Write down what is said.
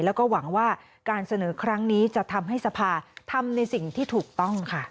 แล้วก็หวังว่าการเสนอครั้งนี้จะทำให้สภาทำในสิ่งที่ถูกต้องค่ะ